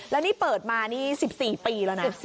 แล้วนี่เปิดมานี่๑๔ปีแล้วนะ